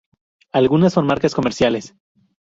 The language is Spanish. Algunas son marcas comerciales.